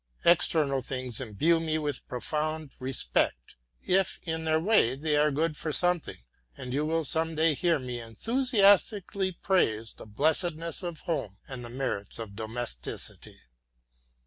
External things imbue me with profound respect, if, in their way, they are good for something; and you will some day hear me enthusiastically praise the blessedness of home and the merits of domesticity.